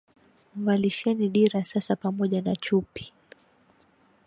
Mvalisheni dira sasa pamoja na chupi!